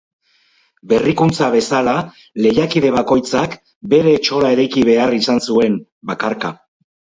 Berrikuntza bezala, lehiakide bakoitzak bere etxola eraiki behar izan zuen, bakarka.